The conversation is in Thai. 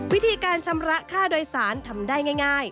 วิธีการชำระค่าโดยสารทำได้ง่าย